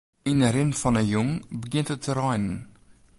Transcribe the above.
Yn 'e rin fan 'e jûn begjint it te reinen.